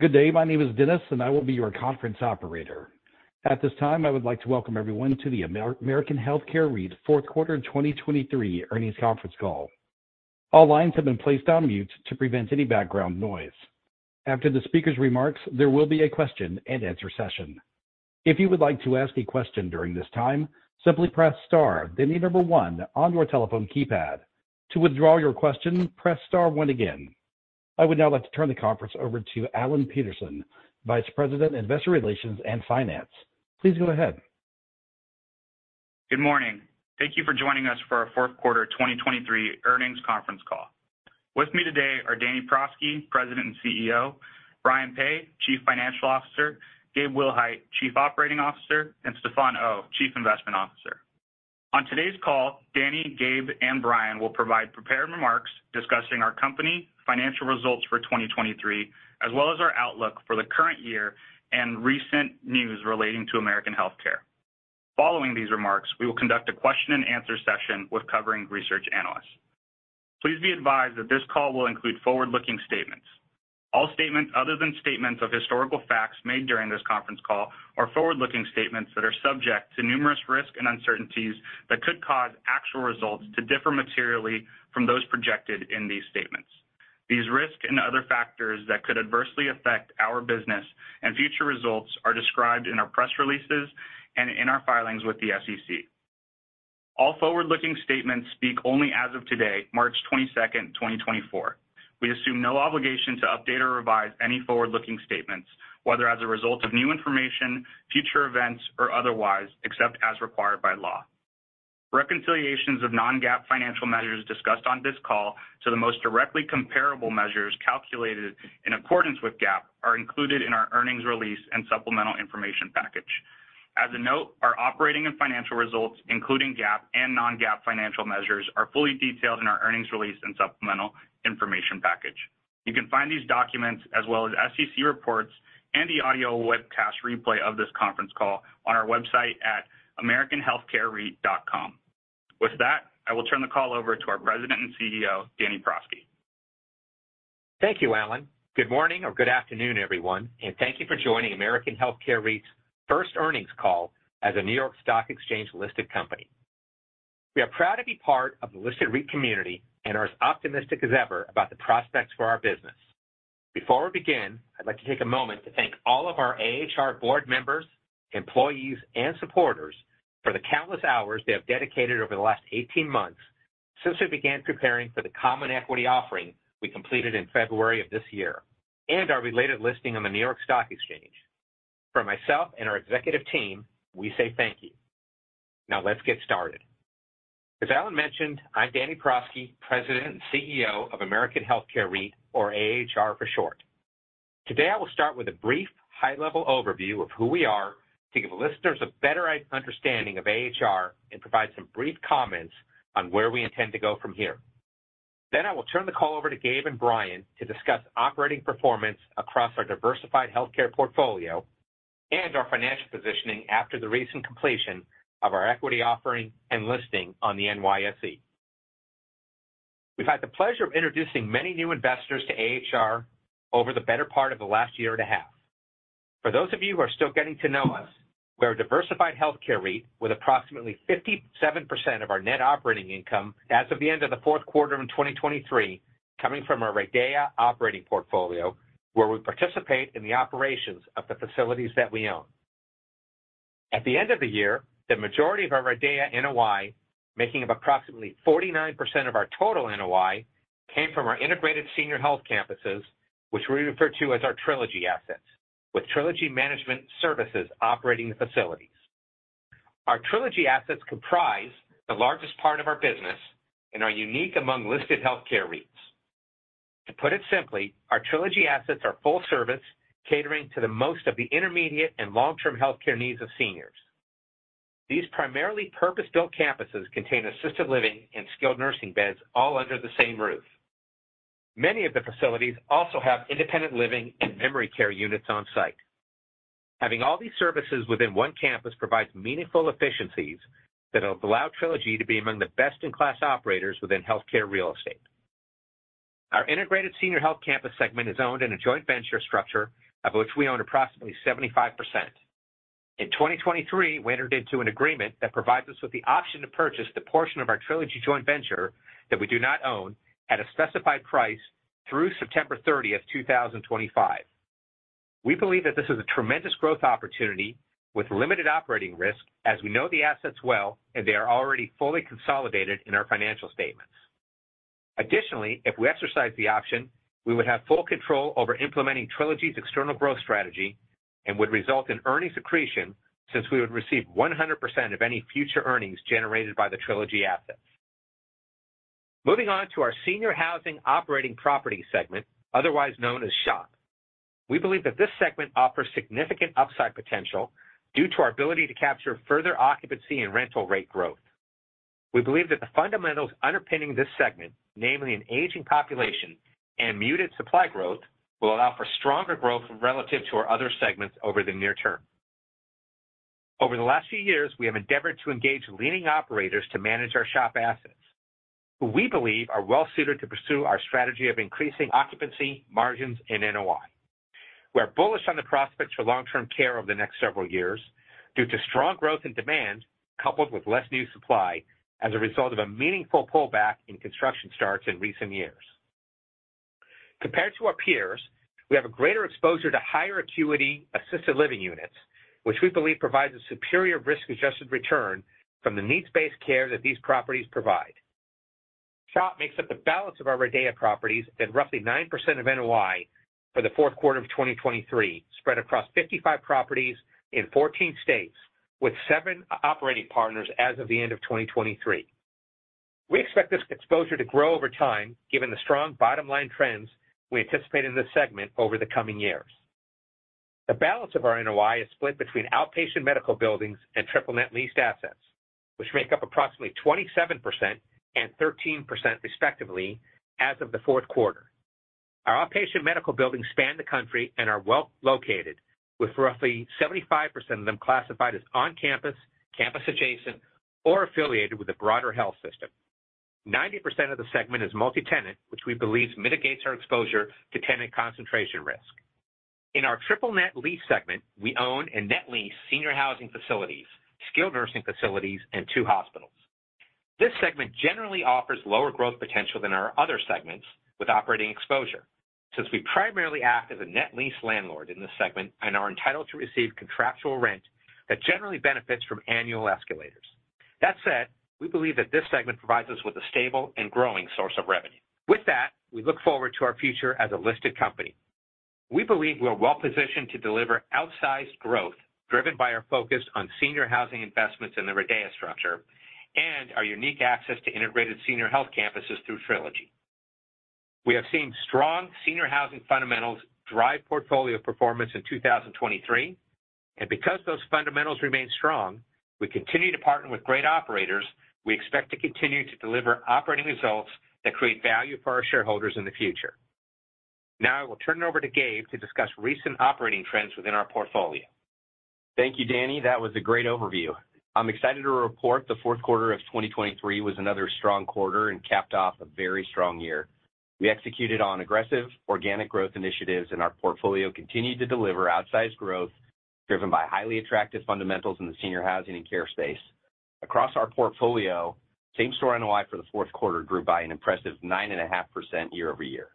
Good day, my name is Dennis and I will be your conference operator. At this time I would like to welcome everyone to the American Healthcare REIT fourth quarter 2023 earnings conference call. All lines have been placed on mute to prevent any background noise. After the speaker's remarks there will be a question and answer session. If you would like to ask a question during this time simply press star then the number one on your telephone keypad. To withdraw your question press star one again. I would now like to turn the conference over to Alan Peterson, Vice President, Investor Relations and Finance. Please go ahead. Good morning. Thank you for joining us for our fourth quarter 2023 earnings conference call. With me today are Danny Prosky, President and CEO; Brian Peay, Chief Financial Officer; Gabe Willhite, Chief Operating Officer; and Stefan Oh, Chief Investment Officer. On today's call Danny, Gabe, and Brian will provide prepared remarks discussing our company financial results for 2023 as well as our outlook for the current year and recent news relating to American Healthcare. Following these remarks we will conduct a question and answer session with the covering research analysts. Please be advised that this call will include forward-looking statements. All statements other than statements of historical facts made during this conference call are forward-looking statements that are subject to numerous risks and uncertainties that could cause actual results to differ materially from those projected in these statements. These risks and other factors that could adversely affect our business and future results are described in our press releases and in our filings with the SEC. All forward-looking statements speak only as of today, March 22nd, 2024. We assume no obligation to update or revise any forward-looking statements whether as a result of new information, future events, or otherwise except as required by law. Reconciliations of non-GAAP financial measures discussed on this call to the most directly comparable measures calculated in accordance with GAAP are included in our earnings release and supplemental information package. As a note, our operating and financial results including GAAP and non-GAAP financial measures are fully detailed in our earnings release and supplemental information package. You can find these documents as well as SEC reports and the audio webcast replay of this conference call on our website at americanhealthcarereit.com. With that, I will turn the call over to our President and CEO Danny Prosky. Thank you, Alan. Good morning or good afternoon, everyone, and thank you for joining American Healthcare REIT's first earnings call as a New York Stock Exchange listed company. We are proud to be part of the listed REIT community and are as optimistic as ever about the prospects for our business. Before we begin, I'd like to take a moment to thank all of our AHR board members, employees, and supporters for the countless hours they have dedicated over the last 18 months since we began preparing for the common equity offering we completed in February of this year and our related listing on the New York Stock Exchange. From myself and our executive team, we say thank you. Now let's get started. As Alan mentioned, I'm Danny Prosky, President and CEO of American Healthcare REIT or AHR for short. Today I will start with a brief high-level overview of who we are to give listeners a better understanding of AHR and provide some brief comments on where we intend to go from here. Then I will turn the call over to Gabe and Brian to discuss operating performance across our diversified healthcare portfolio and our financial positioning after the recent completion of our equity offering and listing on the NYSE. We've had the pleasure of introducing many new investors to AHR over the better part of the last year and a half. For those of you who are still getting to know us we're a diversified healthcare REIT with approximately 57% of our net operating income as of the end of the fourth quarter in 2023 coming from our RIDEA operating portfolio where we participate in the operations of the facilities that we own. At the end of the year, the majority of our RIDEA NOI, making up approximately 49% of our total NOI, came from our integrated senior health campuses, which we refer to as our Trilogy assets, with Trilogy Management Services operating the facilities. Our Trilogy assets comprise the largest part of our business and are unique among listed healthcare REITs. To put it simply, our Trilogy assets are full service, catering to most of the intermediate and long-term healthcare needs of seniors. These primarily purpose-built campuses contain assisted living and skilled nursing beds all under the same roof. Many of the facilities also have independent living and memory care units on site. Having all these services within one campus provides meaningful efficiencies that will allow Trilogy to be among the best-in-class operators within healthcare real estate. Our Integrated Senior Health Campus segment is owned in a joint venture structure of which we own approximately 75%. In 2023, we entered into an agreement that provides us with the option to purchase the portion of our Trilogy joint venture that we do not own at a specified price through September 30th, 2025. We believe that this is a tremendous growth opportunity with limited operating risk as we know the assets well and they are already fully consolidated in our financial statements. Additionally, if we exercise the option, we would have full control over implementing Trilogy's external growth strategy and would result in earnings accretion since we would receive 100% of any future earnings generated by the Trilogy assets. Moving on to our Senior Housing Operating Portfolio segment, otherwise known as SHOP. We believe that this segment offers significant upside potential due to our ability to capture further occupancy and rental rate growth. We believe that the fundamentals underpinning this segment, namely an aging population and muted supply growth, will allow for stronger growth relative to our other segments over the near term. Over the last few years we have endeavored to engage leading operators to manage our SHOP assets who we believe are well-suited to pursue our strategy of increasing occupancy, margins, and NOI. We are bullish on the prospects for long-term care over the next several years due to strong growth in demand coupled with less new supply as a result of a meaningful pullback in construction starts in recent years. Compared to our peers we have a greater exposure to higher acuity assisted living units which we believe provides a superior risk-adjusted return from the needs-based care that these properties provide. SHOP makes up the balance of our RIDEA properties at roughly 9% of NOI for the fourth quarter of 2023 spread across 55 properties in 14 states with seven operating partners as of the end of 2023. We expect this exposure to grow over time given the strong bottom-line trends we anticipate in this segment over the coming years. The balance of our NOI is split between outpatient medical buildings and triple net leased assets which make up approximately 27% and 13% respectively as of the fourth quarter. Our outpatient medical buildings span the country and are well-located with roughly 75% of them classified as on-campus, campus-adjacent, or affiliated with a broader health system. 90% of the segment is multi-tenant, which we believe mitigates our exposure to tenant concentration risk. In our triple-net lease segment, we own and net lease senior housing facilities, skilled nursing facilities, and two hospitals. This segment generally offers lower growth potential than our other segments with operating exposure since we primarily act as a net lease landlord in this segment and are entitled to receive contractual rent that generally benefits from annual escalators. That said, we believe that this segment provides us with a stable and growing source of revenue. With that, we look forward to our future as a listed company. We believe we are well-positioned to deliver outsized growth driven by our focus on senior housing investments in the RIDEA structure and our unique access to integrated senior health campuses through Trilogy. We have seen strong senior housing fundamentals drive portfolio performance in 2023, and because those fundamentals remain strong, we continue to partner with great operators. We expect to continue to deliver operating results that create value for our shareholders in the future. Now I will turn it over to Gabe to discuss recent operating trends within our portfolio. Thank you Danny. That was a great overview. I'm excited to report the fourth quarter of 2023 was another strong quarter and capped off a very strong year. We executed on aggressive organic growth initiatives and our portfolio continued to deliver outsized growth driven by highly attractive fundamentals in the senior housing and care space. Across our portfolio Same-Store NOI for the fourth quarter grew by an impressive 9.5% year-over-year.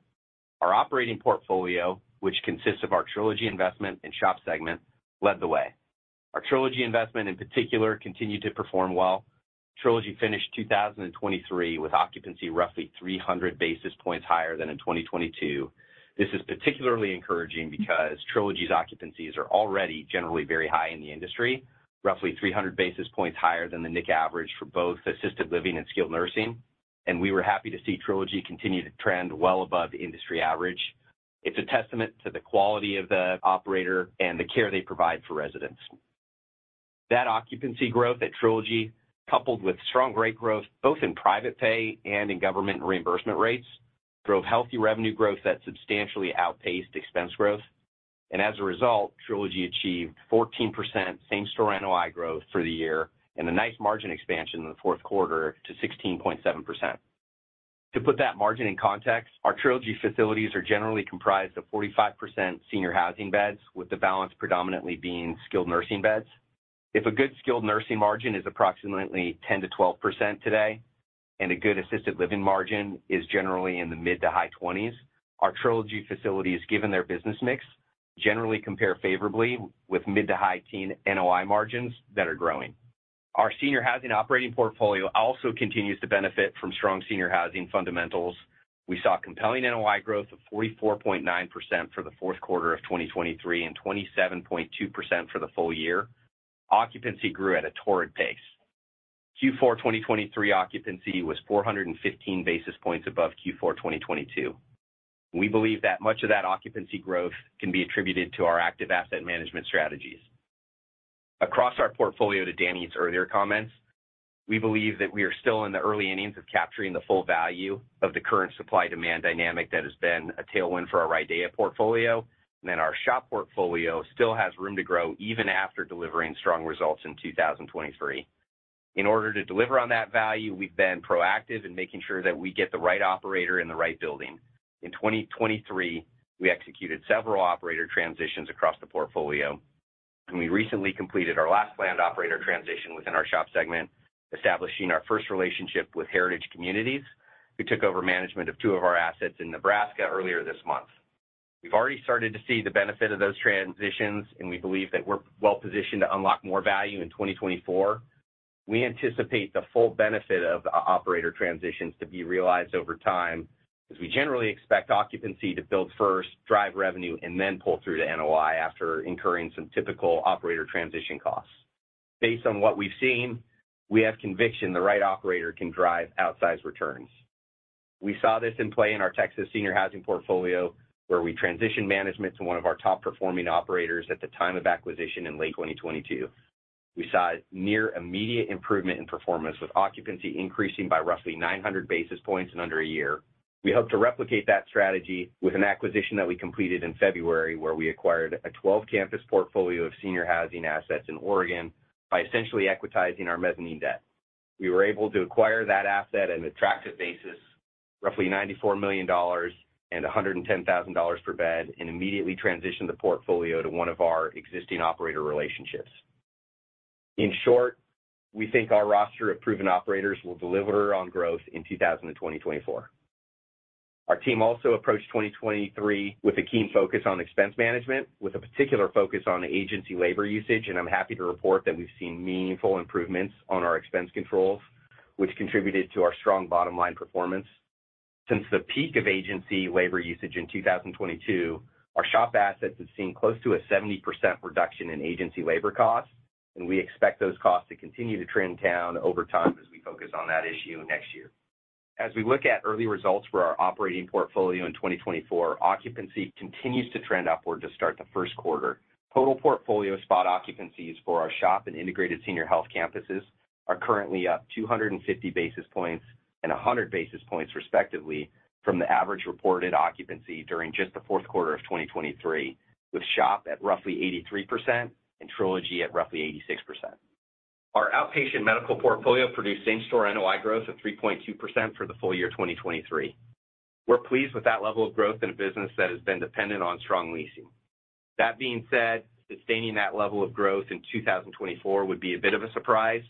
Our operating portfolio which consists of our Trilogy investment and SHOP segment led the way. Our Trilogy investment in particular continued to perform well. Trilogy finished 2023 with occupancy roughly 300 basis points higher than in 2022. This is particularly encouraging because Trilogy's occupancies are already generally very high in the industry, roughly 300 basis points higher than the NIC average for both assisted living and skilled nursing, and we were happy to see Trilogy continue to trend well above industry average. It's a testament to the quality of the operator and the care they provide for residents. That occupancy growth at Trilogy coupled with strong rate growth both in private pay and in government reimbursement rates drove healthy revenue growth that substantially outpaced expense growth, and as a result Trilogy achieved 14% Same-Store NOI growth for the year and a nice margin expansion in the fourth quarter to 16.7%. To put that margin in context, our Trilogy facilities are generally comprised of 45% senior housing beds with the balance predominantly being skilled nursing beds. If a good skilled nursing margin is approximately 10%-12% today and a good assisted living margin is generally in the mid to high 20s, our Trilogy facilities given their business mix generally compare favorably with mid to high teen NOI margins that are growing. Our senior housing operating portfolio also continues to benefit from strong senior housing fundamentals. We saw compelling NOI growth of 44.9% for the fourth quarter of 2023 and 27.2% for the full year. Occupancy grew at a torrid pace. Q4 2023 occupancy was 415 basis points above Q4 2022. We believe that much of that occupancy growth can be attributed to our active asset management strategies. Across our portfolio, to Danny's earlier comments, we believe that we are still in the early innings of capturing the full value of the current supply-demand dynamic that has been a tailwind for our RIDEA portfolio, and then our SHOP portfolio still has room to grow even after delivering strong results in 2023. In order to deliver on that value, we've been proactive in making sure that we get the right operator in the right building. In 2023, we executed several operator transitions across the portfolio, and we recently completed our last planned operator transition within our SHOP segment, establishing our first relationship with Heritage Communities, who took over management of two of our assets in Nebraska earlier this month. We've already started to see the benefit of those transitions, and we believe that we're well-positioned to unlock more value in 2024. We anticipate the full benefit of operator transitions to be realized over time as we generally expect occupancy to build first, drive revenue, and then pull through to NOI after incurring some typical operator transition costs. Based on what we've seen we have conviction the right operator can drive outsized returns. We saw this in play in our Texas senior housing portfolio where we transitioned management to one of our top-performing operators at the time of acquisition in late 2022. We saw near-immediate improvement in performance with occupancy increasing by roughly 900 basis points in under a year. We hope to replicate that strategy with an acquisition that we completed in February where we acquired a 12-campus portfolio of senior housing assets in Oregon by essentially equitizing our mezzanine debt. We were able to acquire that asset at an attractive basis roughly $94 million and $110,000 per bed and immediately transition the portfolio to one of our existing operator relationships. In short, we think our roster of proven operators will deliver on growth in 2024. Our team also approached 2023 with a keen focus on expense management with a particular focus on agency labor usage, and I'm happy to report that we've seen meaningful improvements on our expense controls which contributed to our strong bottom-line performance. Since the peak of agency labor usage in 2022, our SHOP assets have seen close to a 70% reduction in agency labor costs and we expect those costs to continue to trend down over time as we focus on that issue next year. As we look at early results for our operating portfolio in 2024, occupancy continues to trend upward to start the first quarter. Total portfolio spot occupancies for our SHOP and integrated senior health campuses are currently up 250 basis points and 100 basis points respectively from the average reported occupancy during just the fourth quarter of 2023 with SHOP at roughly 83% and Trilogy at roughly 86%. Our outpatient medical portfolio produced same-store NOI growth of 3.2% for the full year 2023. We're pleased with that level of growth in a business that has been dependent on strong leasing. That being said sustaining that level of growth in 2024 would be a bit of a surprise.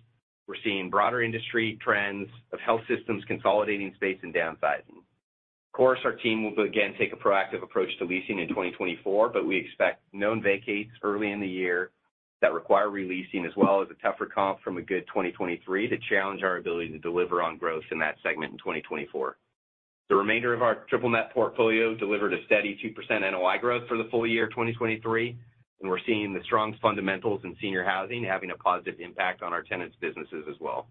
We're seeing broader industry trends of health systems consolidating space and downsizing. Of course our team will again take a proactive approach to leasing in 2024 but we expect known vacates early in the year that require releasing as well as a tougher comp from a good 2023 to challenge our ability to deliver on growth in that segment in 2024. The remainder of our triple-net portfolio delivered a steady 2% NOI growth for the full year 2023 and we're seeing the strong fundamentals in senior housing having a positive impact on our tenants' businesses as well.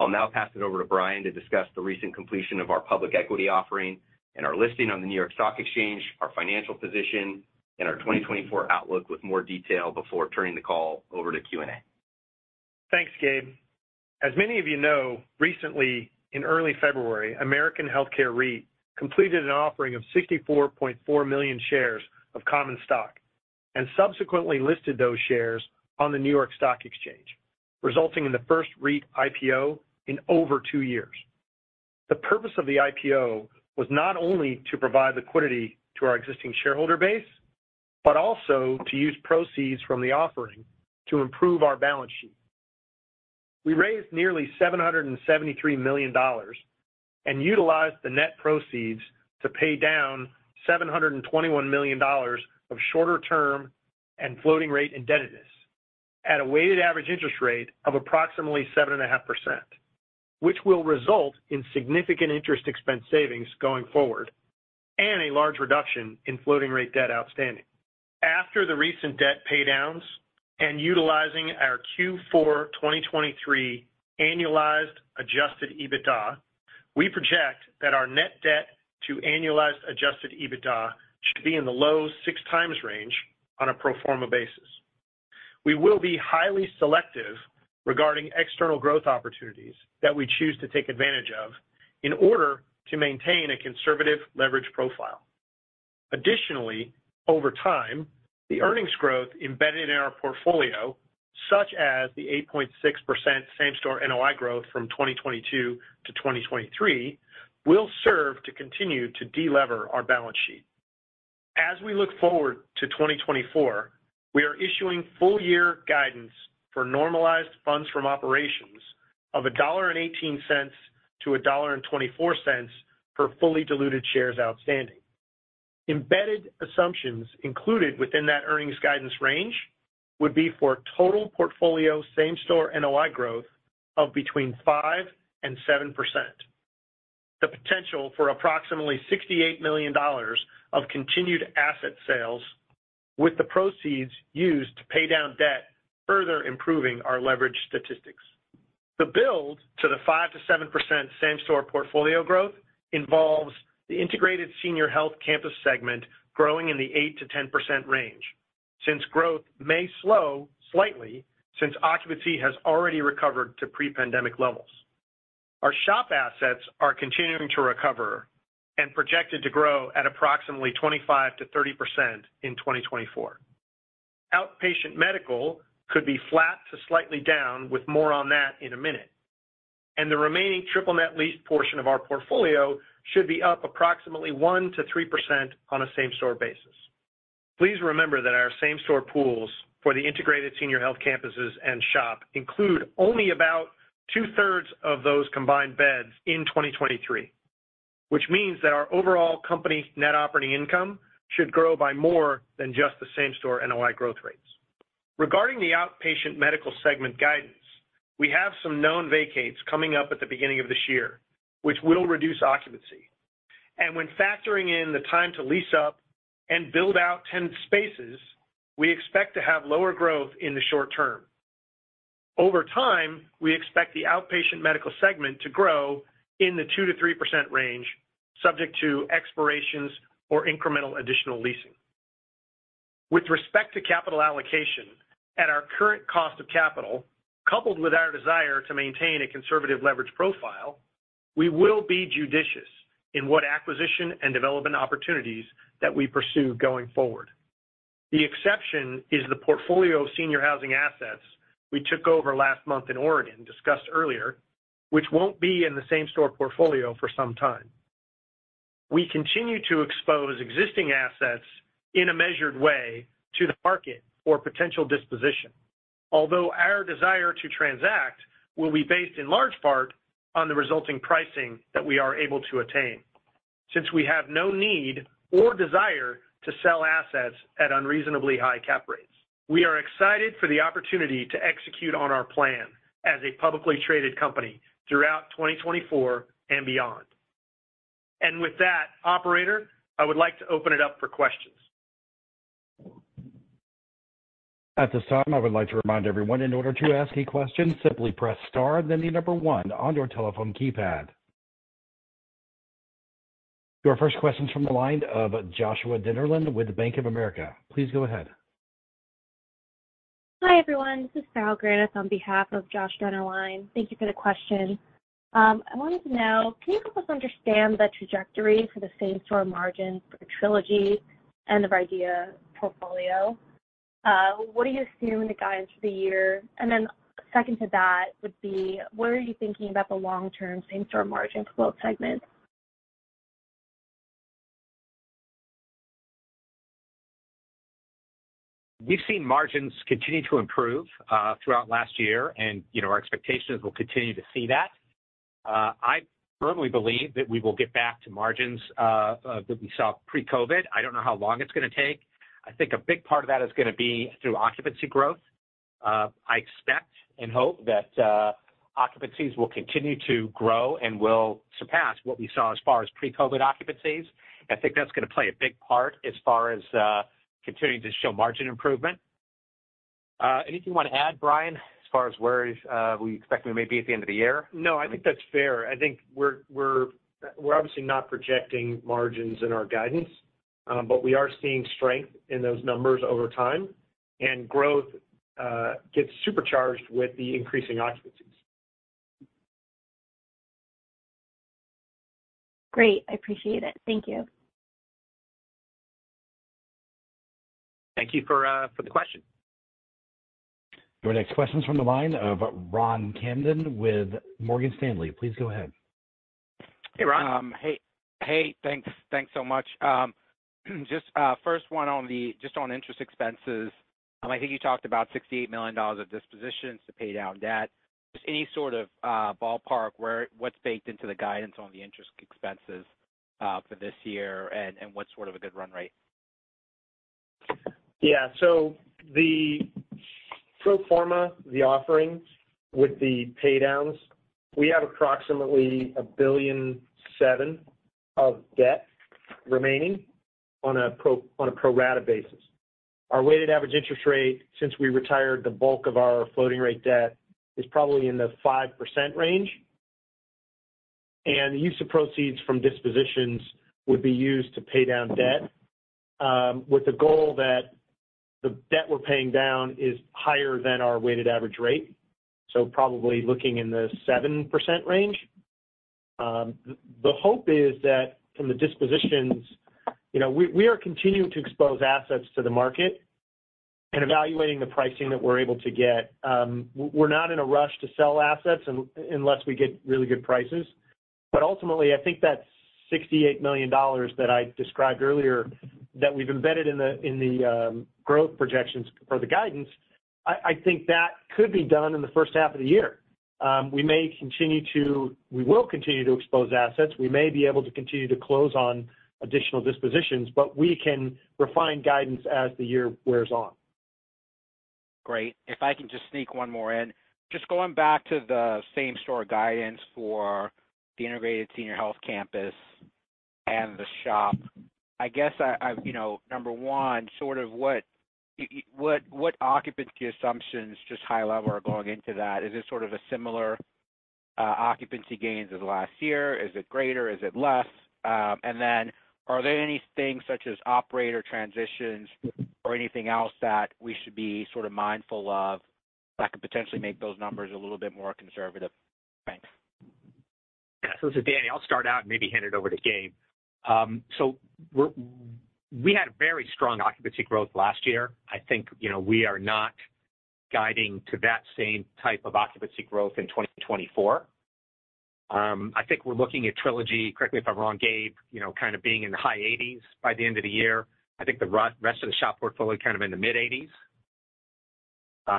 I'll now pass it over to Brian to discuss the recent completion of our public equity offering and our listing on the New York Stock Exchange, our financial position, and our 2024 outlook with more detail before turning the call over to Q&A. Thanks Gabe. As many of you know, recently in early February American Healthcare REIT completed an offering of 64.4 million shares of common stock and subsequently listed those shares on the New York Stock Exchange resulting in the first REIT IPO in over two years. The purpose of the IPO was not only to provide liquidity to our existing shareholder base but also to use proceeds from the offering to improve our balance sheet. We raised nearly $773 million and utilized the net proceeds to pay down $721 million of shorter-term and floating-rate indebtedness at a weighted average interest rate of approximately 7.5%, which will result in significant interest expense savings going forward and a large reduction in floating-rate debt outstanding. After the recent debt paydowns and utilizing our Q4 2023 annualized adjusted EBITDA, we project that our net debt to annualized adjusted EBITDA should be in the low six times range on a pro forma basis. We will be highly selective regarding external growth opportunities that we choose to take advantage of in order to maintain a conservative leverage profile. Additionally, over time the earnings growth embedded in our portfolio such as the 8.6% same-store NOI growth from 2022 to 2023 will serve to continue to delever our balance sheet. As we look forward to 2024, we are issuing full-year guidance for normalized funds from operations of $1.18-$1.24 per fully diluted shares outstanding. Embedded assumptions included within that earnings guidance range would be for total portfolio same-store NOI growth of between 5% and 7%. The potential for approximately $68 million of continued asset sales with the proceeds used to pay down debt further improving our leverage statistics. The build to the 5%-7% same-store portfolio growth involves the integrated senior health campus segment growing in the 8%-10% range since growth may slow slightly since occupancy has already recovered to pre-pandemic levels. Our SHOP assets are continuing to recover and projected to grow at approximately 25%-30% in 2024. Outpatient medical could be flat to slightly down with more on that in a minute and the remaining triple net leased portion of our portfolio should be up approximately 1%-3% on a same-store basis. Please remember that our same-store pools for the Integrated Senior Health Campuses and SHOP include only about two-thirds of those combined beds in 2023, which means that our overall company Net Operating Income should grow by more than just the same-store NOI growth rates. Regarding the outpatient medical segment guidance, we have some known vacates coming up at the beginning of this year, which will reduce occupancy, and when factoring in the time to lease up and build out tenant spaces, we expect to have lower growth in the short term. Over time, we expect the outpatient medical segment to grow in the 2%-3% range subject to expirations or incremental additional leasing. With respect to capital allocation, at our current cost of capital coupled with our desire to maintain a conservative leverage profile, we will be judicious in what acquisition and development opportunities that we pursue going forward. The exception is the portfolio of senior housing assets we took over last month in Oregon discussed earlier which won't be in the same-store portfolio for some time. We continue to expose existing assets in a measured way to the market for potential disposition although our desire to transact will be based in large part on the resulting pricing that we are able to attain since we have no need or desire to sell assets at unreasonably high cap rates. We are excited for the opportunity to execute on our plan as a publicly traded company throughout 2024 and beyond. With that, operator, I would like to open it up for questions. At this time I would like to remind everyone in order to ask a question simply press star then the number one on your telephone keypad. Your first question's from the line of Joshua Dennerlein with Bank of America. Please go ahead. Hi everyone. This is Sarah Granath on behalf of Joshua Dennerlein. Thank you for the question. I wanted to know, can you help us understand the trajectory for the same-store margin for Trilogy and the RIDEA portfolio? What do you assume the guidance for the year and then second to that would be what are you thinking about the long-term same-store margin for both segments? We've seen margins continue to improve throughout last year and our expectation is we'll continue to see that. I firmly believe that we will get back to margins that we saw pre-COVID. I don't know how long it's going to take. I think a big part of that is going to be through occupancy growth. I expect and hope that occupancies will continue to grow and will surpass what we saw as far as pre-COVID occupancies and I think that's going to play a big part as far as continuing to show margin improvement. Anything you want to add, Brian, as far as where we expect we may be at the end of the year? No, I think that's fair. I think we're obviously not projecting margins in our guidance, but we are seeing strength in those numbers over time, and growth gets supercharged with the increasing occupancies. Great. I appreciate it. Thank you. Thank you for the question. Your next question's from the line of Ron Kamdem with Morgan Stanley. Please go ahead. Hey, Ron. Hey, hey, thanks. Thanks so much. Just first one on the just on interest expenses. I think you talked about $68 million of dispositions to pay down debt. Just any sort of ballpark where what's baked into the guidance on the interest expenses for this year and what's sort of a good run rate? Yeah, so the pro forma the offering with the paydowns we have approximately $1.7 billion of debt remaining on a pro rata basis. Our weighted average interest rate since we retired the bulk of our floating-rate debt is probably in the 5% range and the use of proceeds from dispositions would be used to pay down debt with the goal that the debt we're paying down is higher than our weighted average rate. Probably looking in the 7% range. The hope is that from the dispositions we are continuing to expose assets to the market and evaluating the pricing that we're able to get. We're not in a rush to sell assets unless we get really good prices, but ultimately I think that $68 million that I described earlier that we've embedded in the growth projections for the guidance I think that could be done in the first half of the year. We will continue to expose assets. We may be able to continue to close on additional dispositions, but we can refine guidance as the year wears on. Great. If I can just sneak one more in just going back to the same-store guidance for the integrated senior health campus and the SHOP, I guess I number one sort of what occupancy assumptions just high level are going into that? Is it sort of a similar occupancy gains as last year? Is it greater? Is it less? And then are there anything such as operator transitions or anything else that we should be sort of mindful of that could potentially make those numbers a little bit more conservative? Thanks. Yeah, so this is Danny. I'll start out and maybe hand it over to Gabe. So we had a very strong occupancy growth last year. I think we are not guiding to that same type of occupancy growth in 2024. I think we're looking at Trilogy, correct me if I'm wrong, Gabe, kind of being in the high 80s by the end of the year. I think the rest of the SHOP portfolio kind of in the mid 80s.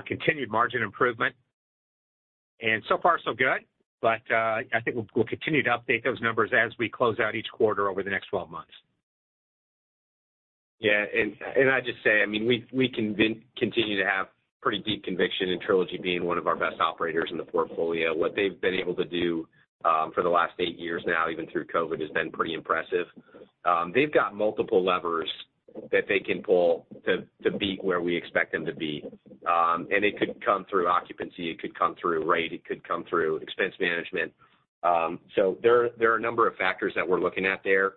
Continued margin improvement and so far so good, but I think we'll continue to update those numbers as we close out each quarter over the next 12 months. Yeah, I'd just say, I mean, we continue to have pretty deep conviction in Trilogy being one of our best operators in the portfolio. What they've been able to do for the last eight years now, even through COVID, has been pretty impressive. They've got multiple levers that they can pull to beat where we expect them to be, and it could come through occupancy. It could come through rate. It could come through expense management. So there are a number of factors that we're looking at there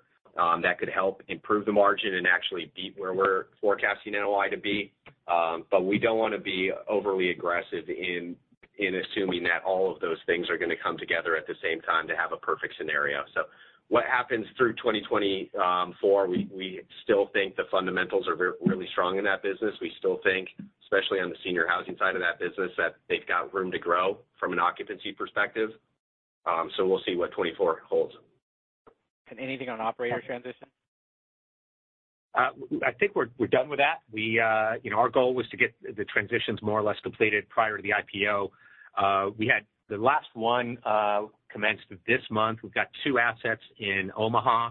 that could help improve the margin and actually beat where we're forecasting NOI to be, but we don't want to be overly aggressive in assuming that all of those things are going to come together at the same time to have a perfect scenario. So what happens through 2024, we still think the fundamentals are really strong in that business. We still think especially on the senior housing side of that business that they've got room to grow from an occupancy perspective. So we'll see what 2024 holds. Anything on operator transitions? I think we're done with that. Our goal was to get the transitions more or less completed prior to the IPO. We had the last one commenced this month. We've got two assets in Omaha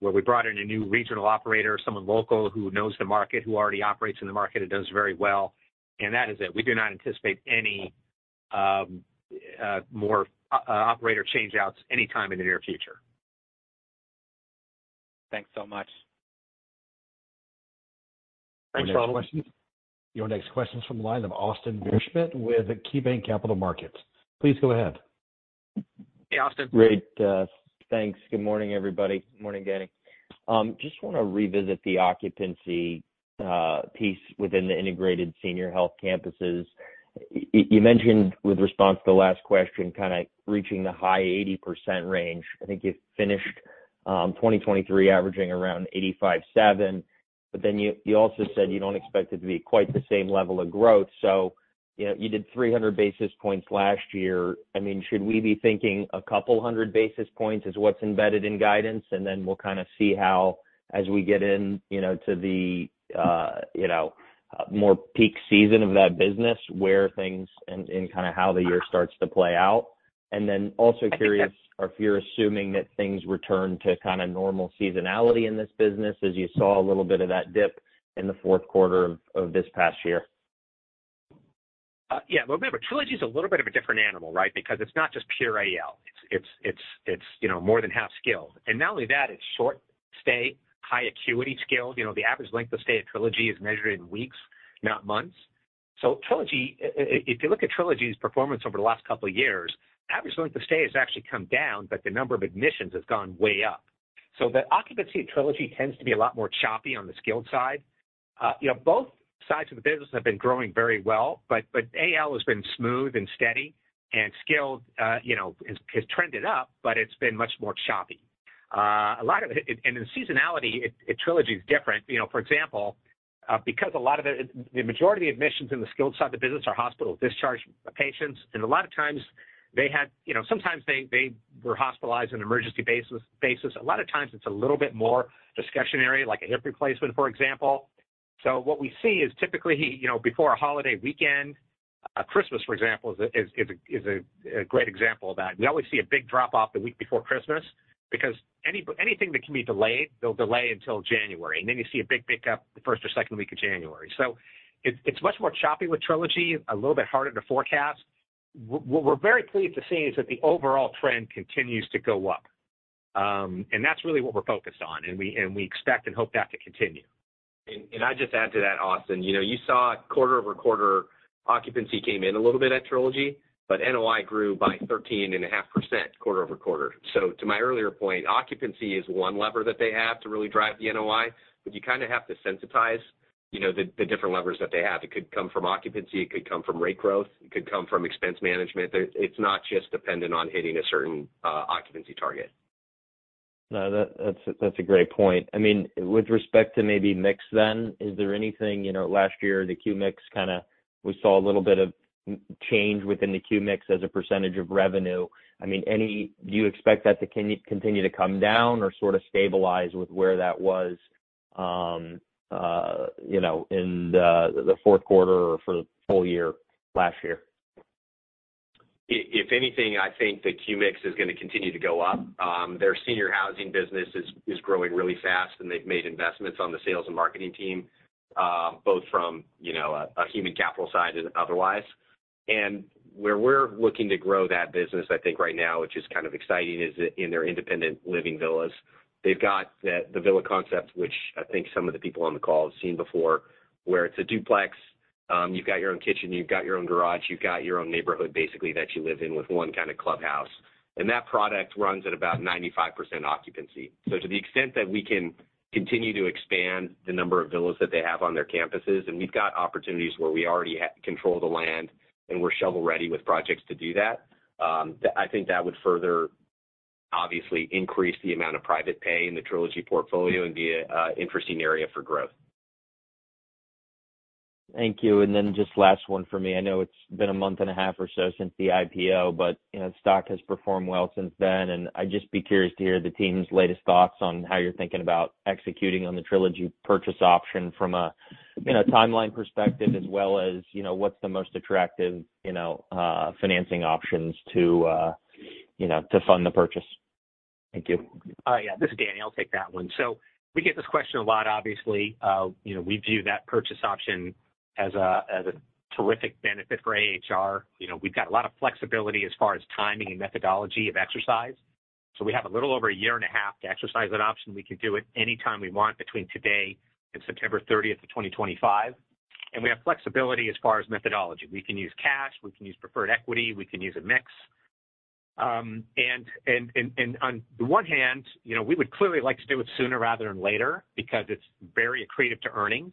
where we brought in a new regional operator, someone local who knows the market, who already operates in the market and does very well, and that is it. We do not anticipate any more operator changeouts anytime in the near future. Thanks so much. Thanks for all the questions. Your next question's from the line of Austin Wurschmidt with KeyBank Capital Markets. Please go ahead. Hey Austin. Great. Thanks. Good morning everybody. Morning Danny. Just want to revisit the occupancy piece within the Integrated Senior Health Campuses. You mentioned in response to the last question kind of reaching the high 80% range. I think you finished 2023 averaging around 85.7%, but then you also said you don't expect it to be quite the same level of growth. So you did 300 basis points last year. I mean, should we be thinking a couple hundred basis points is what's embedded in guidance and then we'll kind of see how, as we get into the more peak season of that business where things and kind of how the year starts to play out? And then also curious if you're assuming that things return to kind of normal seasonality in this business as you saw a little bit of that dip in the fourth quarter of this past year. Yeah, well, remember Trilogy's a little bit of a different animal, right? Because it's not just pure AL. It's more than half skilled. And not only that, it's short stay high acuity skilled. The average length of stay at Trilogy is measured in weeks not months. So Trilogy, if you look at Trilogy's performance over the last couple of years, average length of stay has actually come down but the number of admissions has gone way up. So the occupancy at Trilogy tends to be a lot more choppy on the skilled side. Both sides of the business have been growing very well but AL has been smooth and steady and skilled has trended up but it's been much more choppy. A lot of it and in seasonality at Trilogy's different. For example, because a lot of the majority of the admissions in the skilled side of the business are hospital discharge patients and a lot of times they had sometimes they were hospitalized on an emergency basis. A lot of times it's a little bit more discussionary, like a hip replacement for example. So what we see is typically before a holiday weekend, Christmas for example is a great example of that. We always see a big drop off the week before Christmas because anything that can be delayed they'll delay until January and then you see a big pickup the first or second week of January. So it's much more choppy with Trilogy, a little bit harder to forecast. What we're very pleased to see is that the overall trend continues to go up and that's really what we're focused on and we expect and hope that to continue. I'd just add to that, Austin. You saw quarter-over-quarter occupancy came in a little bit at Trilogy, but NOI grew by 13.5% quarter-over-quarter. To my earlier point, occupancy is one lever that they have to really drive the NOI, but you kind of have to sensitize the different levers that they have. It could come from occupancy. It could come from rate growth. It could come from expense management. It's not just dependent on hitting a certain occupancy target. No, that's a great point. I mean, with respect to maybe mix, then, is there anything last year the Q mix kind of we saw a little bit of change within the Q mix as a percentage of revenue. I mean, any, do you expect that to continue to come down or sort of stabilize with where that was in the fourth quarter or for the full year last year? If anything I think the census mix is going to continue to go up. Their senior housing business is growing really fast and they've made investments on the sales and marketing team both from a human capital side and otherwise. And where we're looking to grow that business I think right now which is kind of exciting is in their independent living villas. They've got the villa concept which I think some of the people on the call have seen before where it's a duplex. You've got your own kitchen. You've got your own garage. You've got your own neighborhood basically that you live in with one kind of clubhouse. And that product runs at about 95% occupancy. To the extent that we can continue to expand the number of villas that they have on their campuses and we've got opportunities where we already control the land and we're shovel ready with projects to do that, I think that would further obviously increase the amount of private pay in the Trilogy portfolio and be an interesting area for growth. Thank you. And then just last one for me. I know it's been a month and a half or so since the IPO, but stock has performed well since then, and I'd just be curious to hear the team's latest thoughts on how you're thinking about executing on the Trilogy purchase option from a timeline perspective, as well as what's the most attractive financing options to fund the purchase. Thank you. All right. Yeah, this is Danny. I'll take that one. So we get this question a lot obviously. We view that purchase option as a terrific benefit for AHR. We've got a lot of flexibility as far as timing and methodology of exercise. So we have a little over a year and a half to exercise that option. We can do it anytime we want between today and September 30th of 2025. And we have flexibility as far as methodology. We can use cash. We can use preferred equity. We can use a mix. And on the one hand we would clearly like to do it sooner rather than later because it's very accretive to earnings.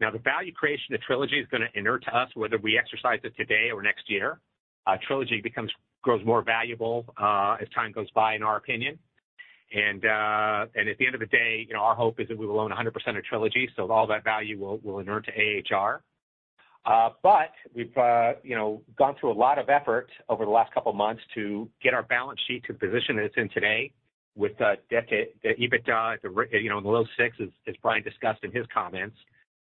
Now the value creation of Trilogy is going to inure to us whether we exercise it today or next year. Trilogy grows more valuable as time goes by in our opinion. At the end of the day our hope is that we will own 100% of Trilogy so all that value will inure to AHR. But we've gone through a lot of effort over the last couple of months to get our balance sheet to the position that it's in today with the EBITDA in the low six as Brian discussed in his comments.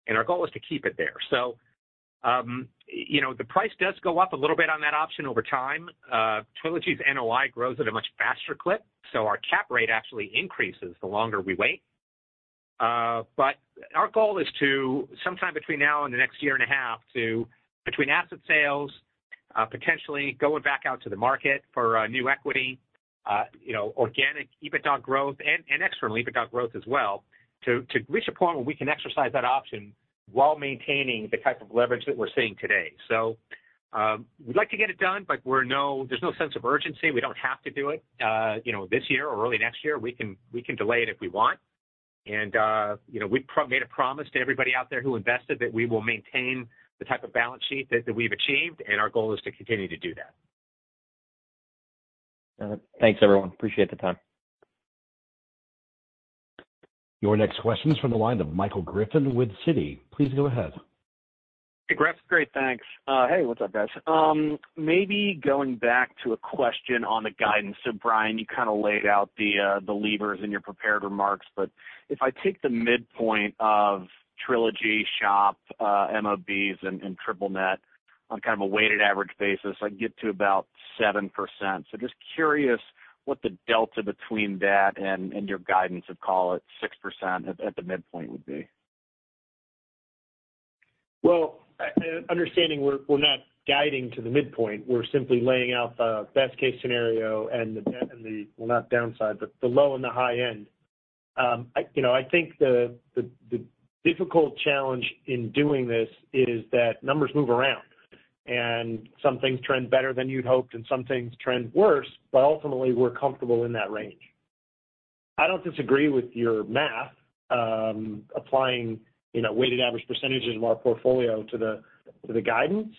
Our goal is to keep it there. So the price does go up a little bit on that option over time. Trilogy's NOI grows at a much faster clip so our cap rate actually increases the longer we wait. But our goal is to sometime between now and the next year and a half to between asset sales potentially going back out to the market for new equity organic EBITDA growth and external EBITDA growth as well to reach a point where we can exercise that option while maintaining the type of leverage that we're seeing today. So we'd like to get it done but there's no sense of urgency. We don't have to do it this year or early next year. We can delay it if we want. And we've made a promise to everybody out there who invested that we will maintain the type of balance sheet that we've achieved and our goal is to continue to do that. Got it. Thanks everyone. Appreciate the time. Your next question's from the line of Michael Griffin with Citi. Please go ahead. Hey Griff. Great. Thanks. Hey, what's up guys. Maybe going back to a question on the guidance. So Brian, you kind of laid out the levers in your prepared remarks, but if I take the midpoint of Trilogy SHOP MOBs and Triple-Net on kind of a weighted average basis, I'd get to about 7%. So just curious what the delta between that and your guidance of call it 6% at the midpoint would be. Well, understanding we're not guiding to the midpoint. We're simply laying out the best case scenario and the, well, not downside but the low and the high end. I think the difficult challenge in doing this is that numbers move around and some things trend better than you'd hoped and some things trend worse, but ultimately we're comfortable in that range. I don't disagree with your math applying weighted average percentages of our portfolio to the guidance,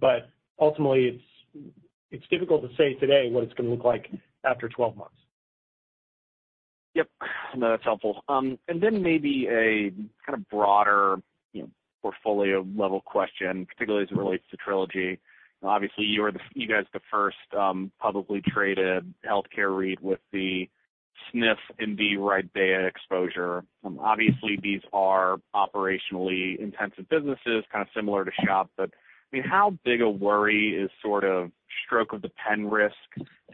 but ultimately it's difficult to say today what it's going to look like after 12 months. Yep. No, that's helpful. Then maybe a kind of broader portfolio level question particularly as it relates to Trilogy. Obviously you guys are the first publicly traded healthcare REIT with the SNF and the RIDEA exposure. Obviously these are operationally intensive businesses kind of similar to SHOP but I mean how big a worry is sort of stroke of the pen risk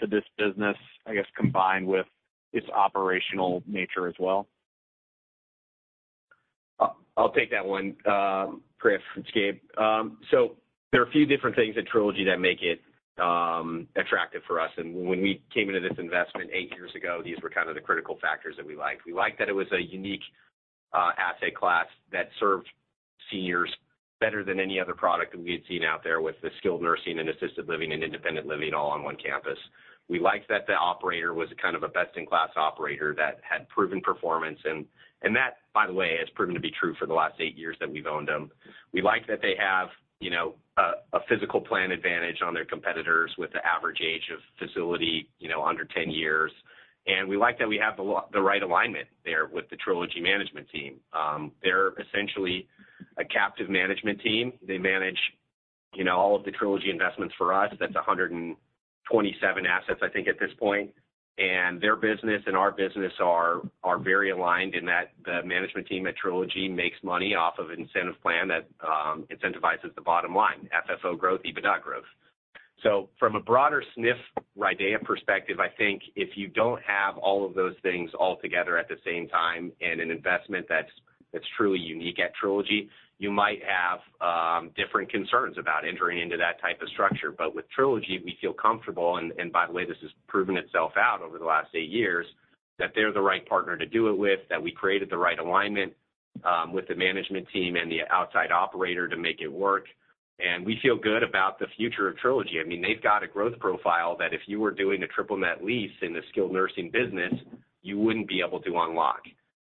to this business I guess combined with its operational nature as well? I'll take that one, Griff. It's Gabe. So there are a few different things at Trilogy that make it attractive for us. And when we came into this investment eight years ago these were kind of the critical factors that we liked. We liked that it was a unique asset class that served seniors better than any other product that we had seen out there with the skilled nursing and assisted living and independent living all on one campus. We liked that the operator was kind of a best in class operator that had proven performance and that by the way has proven to be true for the last eight years that we've owned them. We liked that they have a physical plant advantage on their competitors with the average age of facility under 10 years. We liked that we have the right alignment there with the trilogy management team. They're essentially a captive management team. They manage all of the trilogy investments for us. That's 127 assets I think at this point. And their business and our business are very aligned in that the management team at Trilogy makes money off of an incentive plan that incentivizes the bottom line FFO growth, EBITDA growth. So from a broader SNF RIDEA perspective, I think if you don't have all of those things all together at the same time and an investment that's truly unique at Trilogy, you might have different concerns about entering into that type of structure. But with Trilogy, we feel comfortable, and by the way, this has proven itself out over the last eight years that they're the right partner to do it with, that we created the right alignment with the management team and the outside operator to make it work. And we feel good about the future of Trilogy. I mean they've got a growth profile that if you were doing a Triple-Net Lease in the Skilled Nursing business you wouldn't be able to unlock.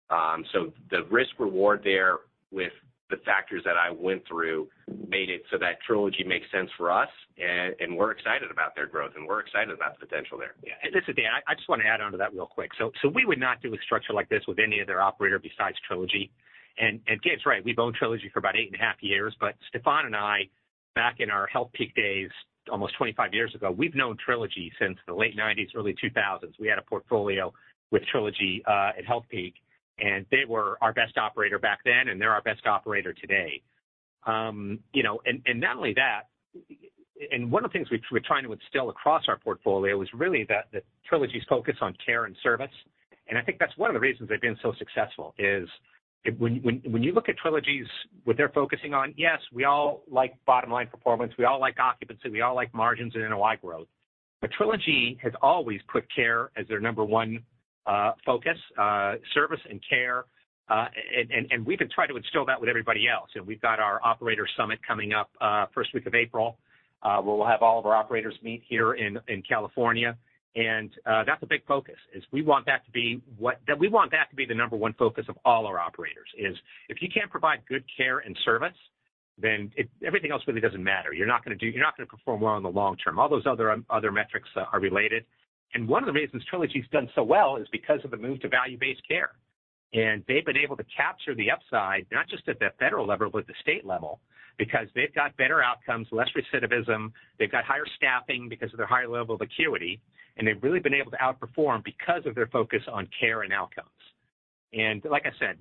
The risk reward there with the factors that I went through made it so that Trilogy makes sense for us and we're excited about their growth and we're excited about the potential there. Yeah, and this is Danny. I just want to add on to that real quick. So we would not do a structure like this with any other operator besides Trilogy. And Gabe's right. We've owned Trilogy for about 8.5 years, but Stefan and I back in our Healthpeak days almost 25 years ago we've known Trilogy since the late 1990s early 2000s. We had a portfolio with Trilogy at Healthpeak, and they were our best operator back then and they're our best operator today. And not only that, and one of the things we're trying to instill across our portfolio is really that Trilogy's focus on care and service. And I think that's one of the reasons they've been so successful is when you look at Trilogy's what they're focusing on yes we all like bottom line performance. We all like occupancy. We all like margins and NOI growth. But Trilogy has always put care as their number one focus service and care. And we've been trying to instill that with everybody else. And we've got our operator summit coming up first week of April where we'll have all of our operators meet here in California. And that's a big focus is we want that to be what we want that to be the number one focus of all our operators is if you can't provide good care and service then everything else really doesn't matter. You're not going to perform well in the long term. All those other metrics are related. And one of the reasons Trilogy's done so well is because of the move to value based care. And they've been able to capture the upside not just at the federal level but at the state level because they've got better outcomes, less recidivism. They've got higher staffing because of their higher level of acuity and they've really been able to outperform because of their focus on care and outcomes. And like I said,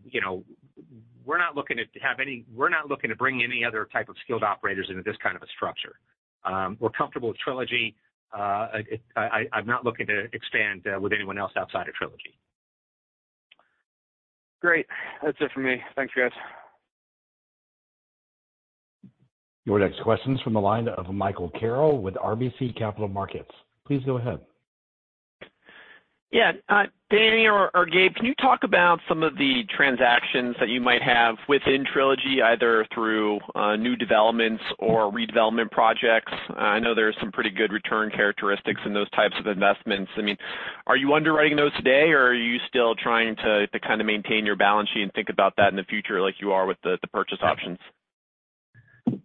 we're not looking to bring any other type of skilled operators into this kind of a structure. We're comfortable with Trilogy. I'm not looking to expand with anyone else outside of Trilogy. Great. That's it for me. Thanks guys. Your next question's from the line of Michael Carroll with RBC Capital Markets. Please go ahead. Yeah, Danny or Gabe, can you talk about some of the transactions that you might have within Trilogy either through new developments or redevelopment projects? I know there's some pretty good return characteristics in those types of investments. I mean, are you underwriting those today or are you still trying to kind of maintain your balance sheet and think about that in the future like you are with the purchase options?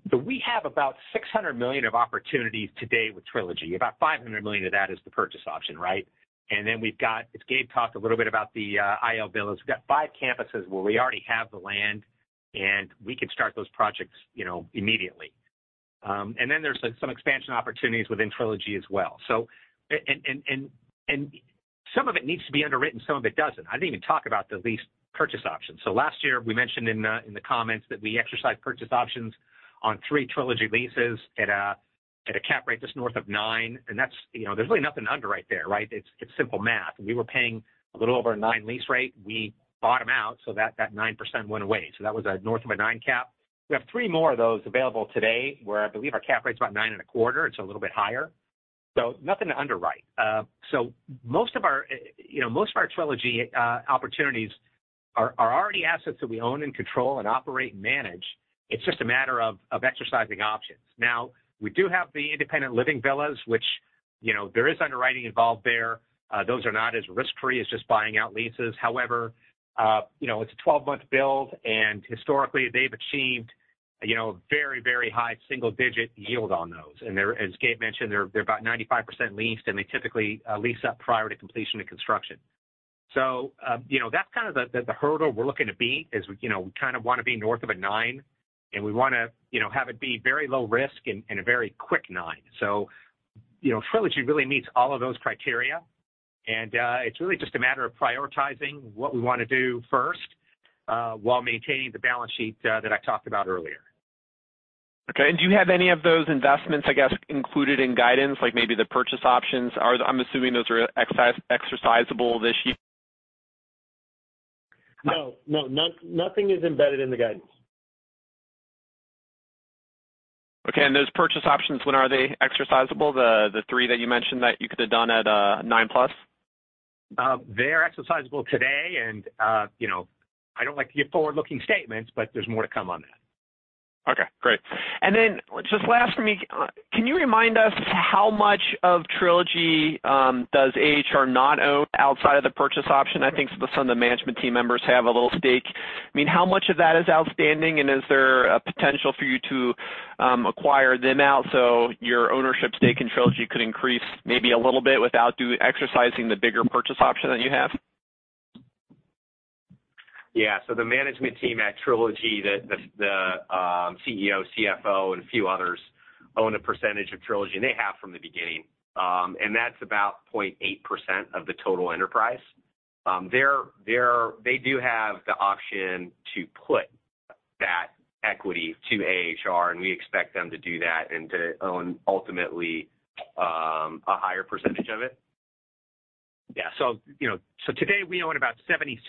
So we have about $600 million of opportunities today with Trilogy. About $500 million of that is the purchase option, right? And then we've got, as Gabe talked a little bit about the IL villas, we've got five campuses where we already have the land and we can start those projects immediately. And then there's some expansion opportunities within Trilogy as well. So some of it needs to be underwritten, some of it doesn't. I didn't even talk about the lease purchase options. So last year we mentioned in the comments that we exercised purchase options on three Trilogy leases at a cap rate just north of 9%. And there's really nothing to underwrite there, right? It's simple math. We were paying a little over a 9% lease rate. We bought them out so that 9% went away. So that was north of a 9% cap. We have three more of those available today where I believe our cap rate's about 9.25%. It's a little bit higher. So nothing to underwrite. So most of our Trilogy opportunities are already assets that we own and control and operate and manage. It's just a matter of exercising options. Now we do have the independent living villas which there is underwriting involved there. Those are not as risk-free as just buying out leases. However it's a 12-month build and historically they've achieved a very very high single-digit yield on those. And as Gabe mentioned they're about 95% leased and they typically lease up prior to completion of construction. That's kind of the hurdle we're looking to beat, is we kind of want to be north of a nine and we want to have it be very low risk and a very quick nine. Trilogy really meets all of those criteria and it's really just a matter of prioritizing what we want to do first while maintaining the balance sheet that I talked about earlier. Okay. Do you have any of those investments I guess included in guidance like maybe the purchase options? I'm assuming those are exercisable this year. No. No. Nothing is embedded in the guidance. Okay. And those purchase options, when are they exercisable, the three that you mentioned that you could have done at 9+? They're exercisable today and I don't like to give forward-looking statements but there's more to come on that. Okay. Great. And then just last for me can you remind us how much of Trilogy does AHR not own outside of the purchase option? I think some of the management team members have a little stake. I mean how much of that is outstanding and is there a potential for you to acquire them out so your ownership stake in Trilogy could increase maybe a little bit without exercising the bigger purchase option that you have? Yeah. So the management team at Trilogy the CEO, CFO and a few others own a percentage of Trilogy and they have from the beginning. And that's about 0.8% of the total enterprise. They do have the option to put that equity to AHR and we expect them to do that and to own ultimately a higher percentage of it. Yeah. So today we own about 76%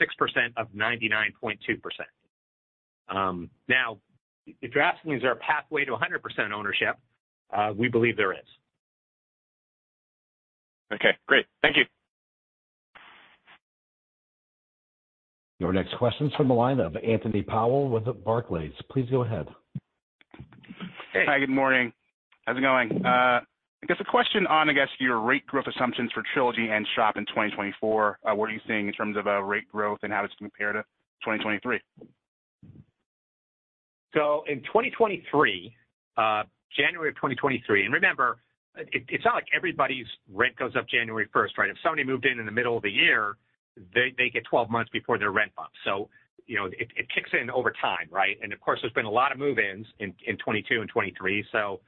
of 99.2%. Now, if you're asking, is there a pathway to 100% ownership? We believe there is. Okay. Great. Thank you. Your next question's from the line of Anthony Powell with Barclays. Please go ahead. Hey. Hi, good morning. How's it going? I guess a question on—I guess—your rate growth assumptions for Trilogy and SHOP in 2024. What are you seeing in terms of rate growth and how it's compared to 2023? So in 2023, January of 2023, and remember it's not like everybody's rent goes up January 1st, right? If somebody moved in in the middle of the year they get 12 months before their rent bumps. So it kicks in over time, right? And of course there's been a lot of move ins in 2022 and 2023 so.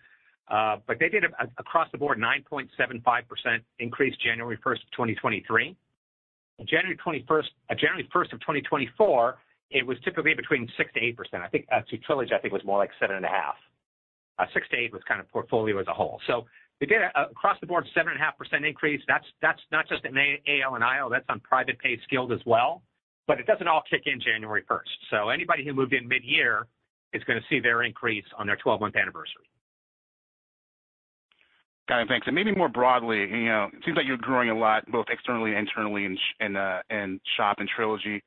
But they did across the board 9.75% increase January 1st of 2023. January 21st January 1st of 2024 it was typically between 6%-8%. I think to Trilogy I think it was more like 7.5. 6-8 was kind of portfolio as a whole. So they did across the board 7.5% increase. That's not just in AL and IL that's on private pay skilled as well but it doesn't all kick in January 1st. So anybody who moved in mid-year is going to see their increase on their 12-month anniversary. Got it. Thanks. And maybe more broadly it seems like you're growing a lot both externally and internally in SHOP and Trilogy.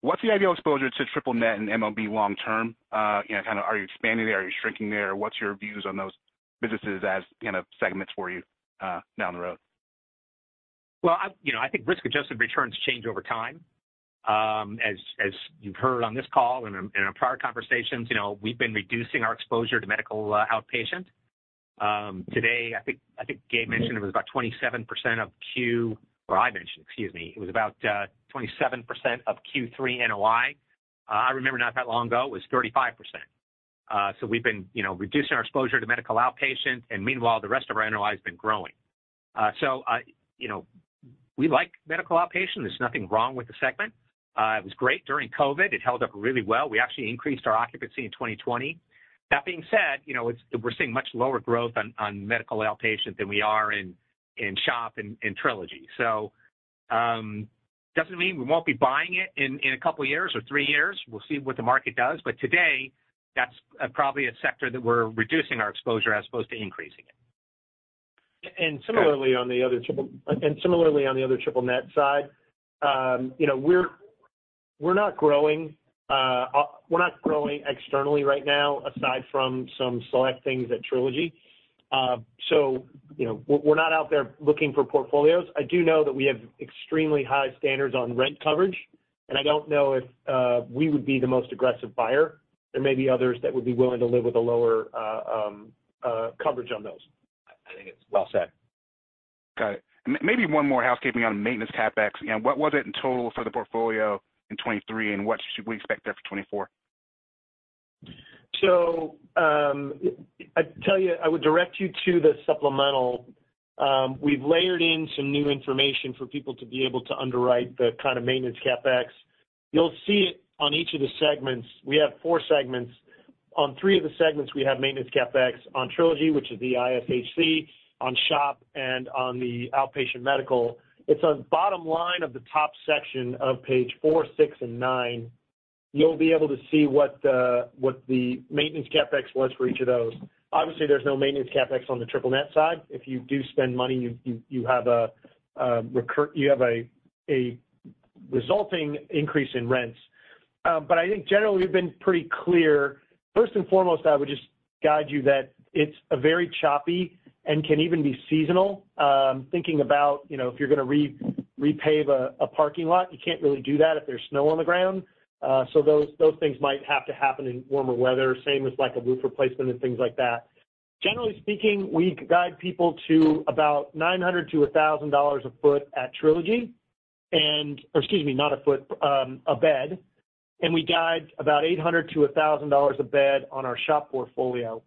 What's the ideal exposure to triple-net and MOB long-term? Kind of are you expanding there, are you shrinking there, what's your views on those businesses as kind of segments for you down the road? Well, I think risk adjusted returns change over time. As you've heard on this call and in our prior conversations we've been reducing our exposure to medical outpatient. Today, I think Gabe mentioned—or I mentioned, excuse me—it was about 27% of Q3 NOI. I remember not that long ago it was 35%. So we've been reducing our exposure to medical outpatient and meanwhile the rest of our NOI has been growing. So we like medical outpatient. There's nothing wrong with the segment. It was great during COVID. It held up really well. We actually increased our occupancy in 2020. That being said we're seeing much lower growth on medical outpatient than we are in SHOP and Trilogy. So it doesn't mean we won't be buying it in a couple years or three years. We'll see what the market does. But today that's probably a sector that we're reducing our exposure as opposed to increasing it. And similarly on the other triple-net side, we're not growing externally right now aside from some select things at Trilogy. So we're not out there looking for portfolios. I do know that we have extremely high standards on rent coverage, and I don't know if we would be the most aggressive buyer. There may be others that would be willing to live with a lower coverage on those. I think it's well said. Got it. Maybe one more housekeeping on maintenance CapEx. What was it in total for the portfolio in 2023 and what should we expect there for 2024? So, I'd tell you I would direct you to the supplemental. We've layered in some new information for people to be able to underwrite the kind of maintenance CapEx. You'll see it on each of the segments. We have four segments. On three of the segments we have maintenance CapEx on Trilogy which is the ISHC on SHOP and on the outpatient medical. It's on bottom line of the top section of page four, six, and nine. You'll be able to see what the maintenance CapEx was for each of those. Obviously there's no maintenance CapEx on the Triple Net side. If you do spend money you have a recoup you have a resulting increase in rents. But I think generally we've been pretty clear. First and foremost I would just guide you that it's a very choppy and can even be seasonal. Thinking about if you're going to repave a parking lot you can't really do that if there's snow on the ground. So those things might have to happen in warmer weather same as a roof replacement and things like that. Generally speaking we guide people to about $900-$1,000 a foot at Trilogy and or excuse me not a foot a bed. And we guide about $800-$1,000 a bed on our SHOP portfolio.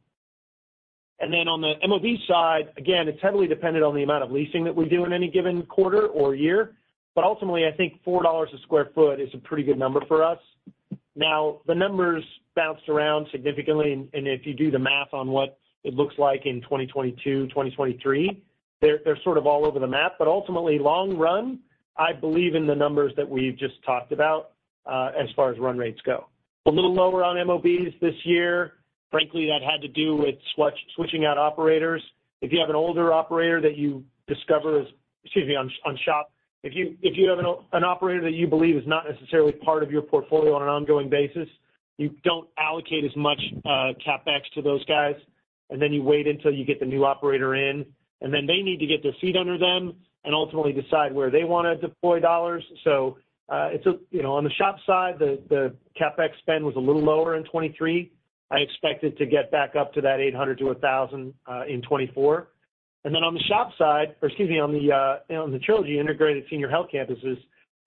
And then on the MOB side again it's heavily dependent on the amount of leasing that we do in any given quarter or year. But ultimately I think $4 a sq ft is a pretty good number for us. Now the numbers bounced around significantly and if you do the math on what it looks like in 2022 2023 they're sort of all over the map. But ultimately in the long run I believe in the numbers that we've just talked about as far as run rates go. A little lower on MOBs this year. Frankly, that had to do with switching out operators. If you have an older operator that you discover, as excuse me on SHOP if you have an operator that you believe is not necessarily part of your portfolio on an ongoing basis you don't allocate as much CapEx to those guys and then you wait until you get the new operator in and then they need to get their feet under them and ultimately decide where they want to deploy dollars. So on the SHOP side the CapEx spend was a little lower in 2023. I expect it to get back up to that 800-1,000 in 2024. Then on the SHOP side, or excuse me, on the Trilogy Integrated Senior Health Campuses,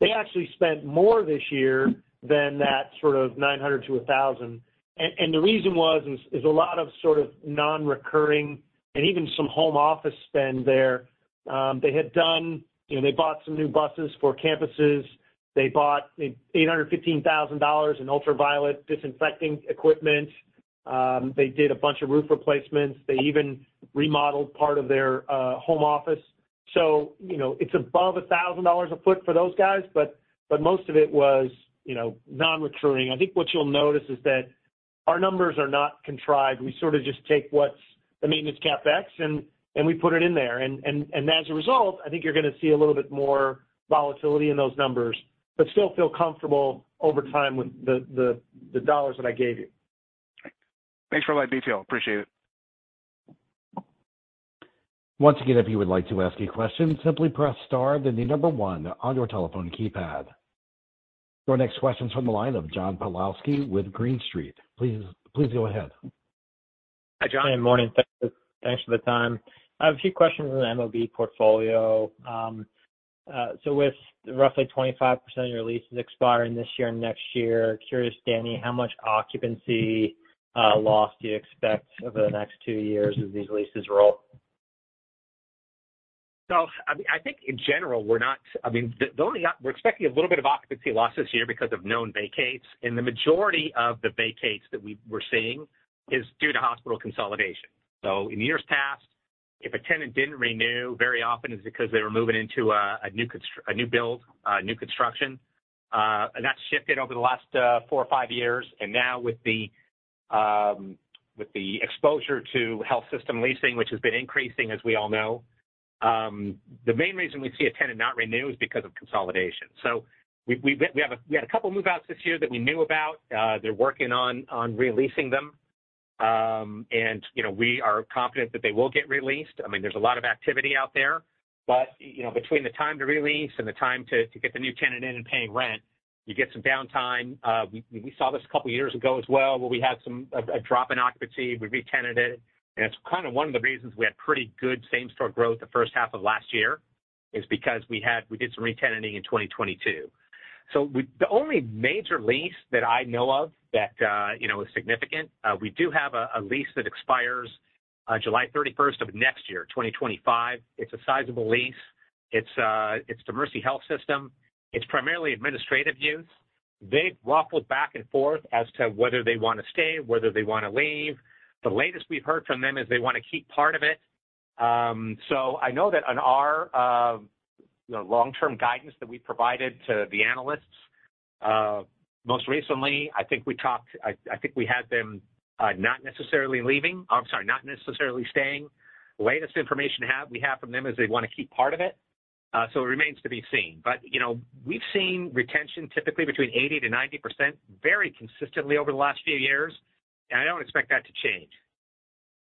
they actually spent more this year than that sort of 900-1,000. And the reason was a lot of sort of non-recurring and even some home office spend there. They had done. They bought some new buses for campuses. They bought $815,000 in ultraviolet disinfecting equipment. They did a bunch of roof replacements. They even remodeled part of their home office. So it's above $1,000 a foot for those guys, but most of it was non-recurring. I think what you'll notice is that our numbers are not contrived. We sort of just take what's the maintenance CapEx and we put it in there. As a result, I think you're going to see a little bit more volatility in those numbers, but still feel comfortable over time with the dollars that I gave you. Thanks for all that detail. Appreciate it. Once again, if you would like to ask a question, simply press star then the number one on your telephone keypad. Your next question's from the line of John Pawlowski with Green Street. Please go ahead. Hi John. Good morning. Thanks for the time. I have a few questions on the MOB portfolio. So with roughly 25% of your leases expiring this year and next year, curious Danny, how much occupancy loss do you expect over the next two years as these leases roll? So I think in general, we're expecting a little bit of occupancy loss this year because of known vacates. The majority of the vacates that we're seeing is due to hospital consolidation. So in years past if a tenant didn't renew very often it's because they were moving into a new build a new construction. And that's shifted over the last four or five years. And now with the exposure to health system leasing which has been increasing as we all know the main reason we see a tenant not renew is because of consolidation. So we've had a couple move outs this year that we knew about. They're working on releasing them and we are confident that they will get released. I mean, there's a lot of activity out there, but between the time to release and the time to get the new tenant in and paying rent, you get some downtime. We saw this a couple years ago as well, where we had some drop in occupancy. We re-rented it, and it's kind of one of the reasons we had pretty good same-store growth the first half of last year, because we did some re-renting in 2022. So, the only major lease that I know of that was significant. We do have a lease that expires July 31st of next year, 2025. It's a sizable lease. It's the Mercy Health System. It's primarily administrative use. They've waffled back and forth as to whether they want to stay, whether they want to leave. The latest we've heard from them is they want to keep part of it. So I know that on our long term guidance that we provided to the analysts most recently I think we talked I think we had them not necessarily leaving I'm sorry not necessarily staying. Latest information we have from them is they want to keep part of it. So it remains to be seen. But we've seen retention typically between 80%-90% very consistently over the last few years and I don't expect that to change.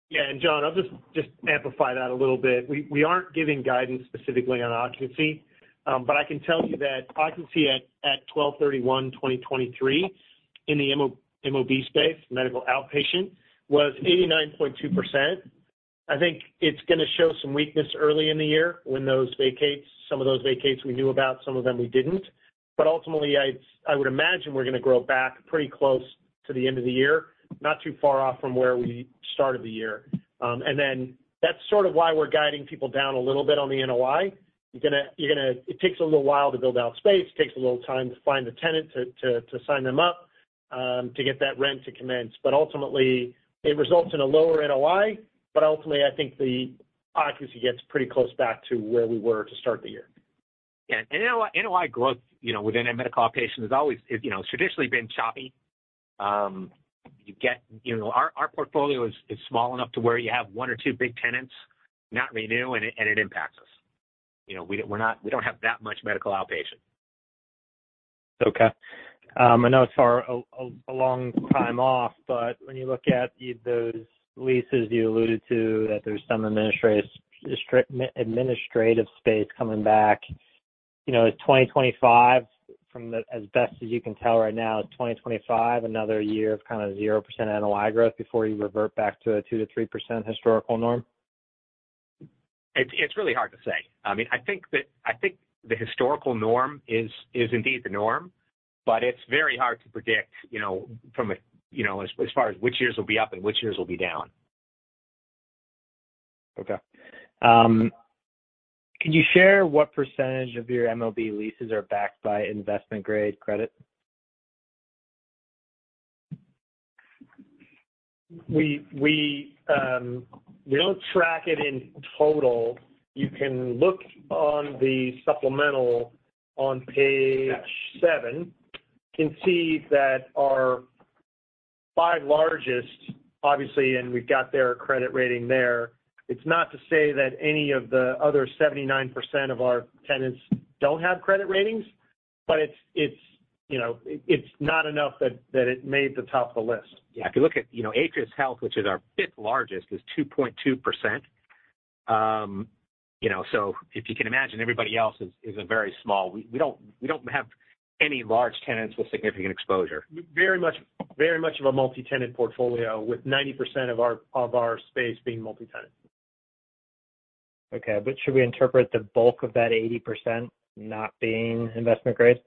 Yeah. And John, I'll just amplify that a little bit. We aren't giving guidance specifically on occupancy, but I can tell you that occupancy at 12/31/2023 in the MOB space, medical outpatient, was 89.2%. I think it's going to show some weakness early in the year when those vacates, some of those vacates we knew about, some of them we didn't. But ultimately, I would imagine we're going to grow back pretty close to the end of the year, not too far off from where we started the year. And then that's sort of why we're guiding people down a little bit on the NOI. You're going to. It takes a little while to build out space. It takes a little time to find the tenant, to sign them up, to get that rent to commence. But ultimately, it results in a lower NOI, but ultimately, I think the occupancy gets pretty close back to where we were to start the year. Yeah. NOI growth within Medical Outpatient has always traditionally been choppy. You get, our portfolio is small enough to where you have one or two big tenants not renew and it impacts us. We don't have that much Medical Outpatient. Okay. I know it's a long time off, but when you look at those leases you alluded to, that there's some administrative space coming back in 2025. From what, as best as you can tell right now, is 2025 another year of kind of 0% NOI growth before you revert back to a 2%-3% historical norm? It's really hard to say. I mean I think that I think the historical norm is indeed the norm but it's very hard to predict from as far as which years will be up and which years will be down. Okay. Could you share what percentage of your MOB leases are backed by investment grade credit? We don't track it in total. You can look on the supplemental on page seven and see that our five largest obviously and we've got their credit rating there. It's not to say that any of the other 79% of our tenants don't have credit ratings, but it's not enough that it made the top of the list. Yeah. If you look at Atrius Health, which is our fifth largest, is 2.2%. So if you can imagine, everybody else is a very small. We don't have any large tenants with significant exposure. Very much of a multi tenant portfolio with 90% of our space being multi tenant. Okay. But should we interpret the bulk of that 80% not being investment grade?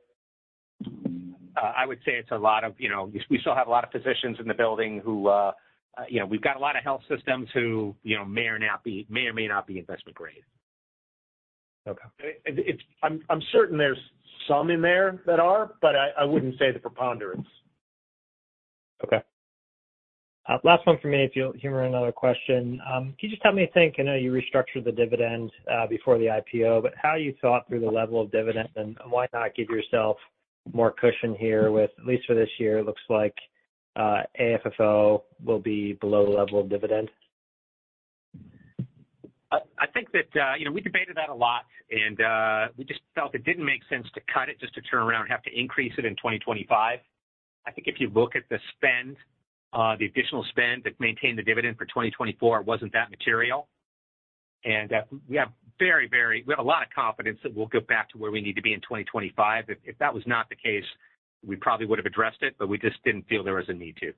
I would say we still have a lot of physicians in the building who we've got a lot of health systems who may or may not be investment grade. I'm certain there's some in there that are, but I wouldn't say the preponderance. Okay. Last one for me if you'll humor another question. Can you just tell me a thing? I know you restructured the dividend before the IPO but how you thought through the level of dividend and why not give yourself more cushion here with at least for this year it looks like AFFO will be below the level of dividend? I think that we debated that a lot and we just felt it didn't make sense to cut it just to turn around and have to increase it in 2025. I think if you look at the spend, the additional spend to maintain the dividend for 2024 wasn't that material. And we have very very we have a lot of confidence that we'll get back to where we need to be in 2025. If that was not the case, we probably would have addressed it, but we just didn't feel there was a need to.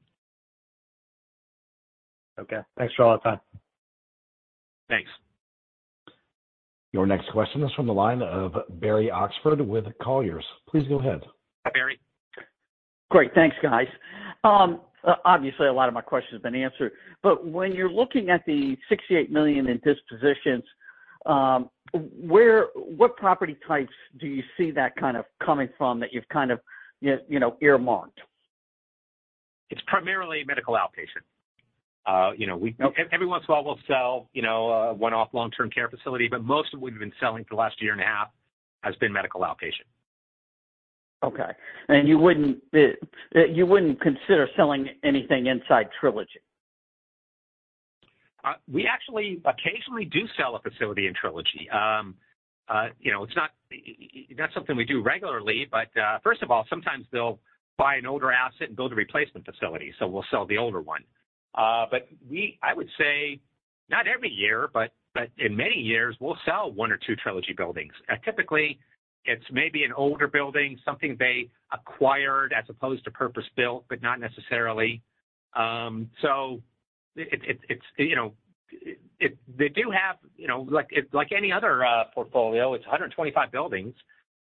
Okay. Thanks for all the time. Thanks. Your next question is from the line of Barry Oxford with Colliers. Please go ahead. Hi Barry. Great. Thanks, guys. Obviously a lot of my questions have been answered but when you're looking at the $68 million in dispositions what property types do you see that kind of coming from that you've kind of earmarked? It's primarily medical outpatient. Every once in a while we'll sell a one-off long-term care facility but most of what we've been selling for the last year and a half has been medical outpatient. Okay. And you wouldn't consider selling anything inside Trilogy? We actually occasionally do sell a facility in Trilogy. It's not something we do regularly, but first of all, sometimes they'll buy an older asset and build a replacement facility, so we'll sell the older one. But I would say not every year, but in many years we'll sell one or two Trilogy buildings. Typically it's maybe an older building, something they acquired as opposed to purpose-built, but not necessarily. So they do have, like any other portfolio, it's 125 buildings,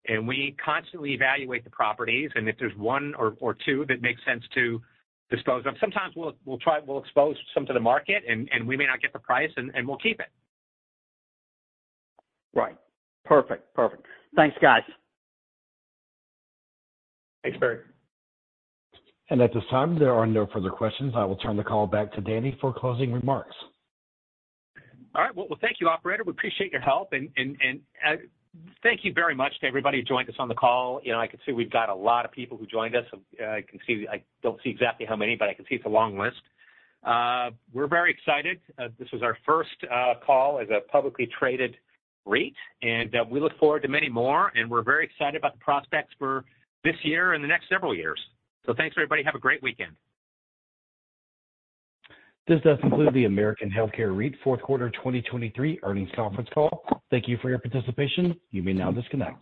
and we constantly evaluate the properties, and if there's one or two that makes sense to dispose of, sometimes we'll expose some to the market, and we may not get the price and we'll keep it. Right. Perfect. Perfect. Thanks guys. Thanks Barry. At this time there are no further questions. I will turn the call back to Danny for closing remarks. All right. Well, thank you, operator. We appreciate your help, and thank you very much to everybody who joined us on the call. I can see we've got a lot of people who joined us. I can see I don't see exactly how many, but I can see it's a long list. We're very excited. This was our first call as a publicly traded REIT, and we look forward to many more, and we're very excited about the prospects for this year and the next several years. So thanks, everybody. Have a great weekend. This does conclude the American Healthcare REIT fourth quarter 2023 earnings conference call. Thank you for your participation. You may now disconnect.